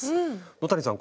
野谷さん